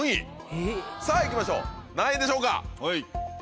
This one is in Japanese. さぁ行きましょう何位でしょうか？